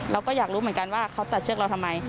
เราก็อยากรู้เหมือนกันว่าเขาตัดเชือกเราทำไม